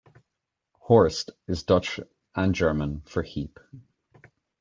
"Horst" is Dutch and German for "heap".